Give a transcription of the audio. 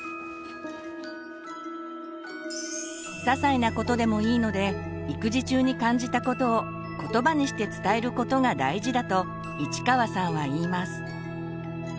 ささいなことでもいいので育児中に感じたことをことばにして伝えることが大事だと市川さんは言います。